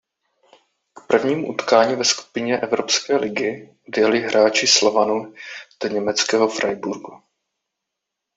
K prvnímu utkání ve skupině Evropské ligy odjeli hráči Slovanu do německého Freiburgu.